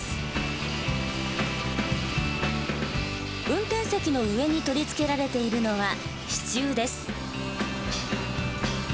運転席の上に取り付けられているのは支柱です。